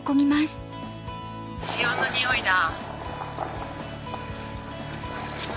潮のにおいだ。